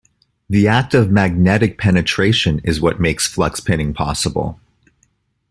The act of magnetic penetration is what makes flux pinning possible.